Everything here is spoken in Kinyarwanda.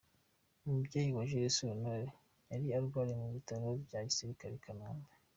Umubyeyi wa Jules Sentore yari arwariye mu Bitaro bya Gisirikare i Kanombe.